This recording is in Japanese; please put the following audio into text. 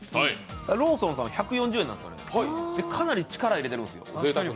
ローソンさんは１４０円なんです、かなり力を入れてるんですよ。